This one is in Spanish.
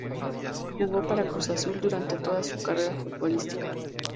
Jugó para Cruz Azul durante toda su carrera futbolística.